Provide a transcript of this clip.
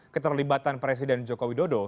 keterlibatan presiden jokowi dodo